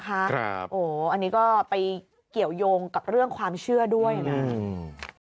อันนี้ก็ไปเกี่ยวยงกับเรื่องความเชื่อด้วยนะอืม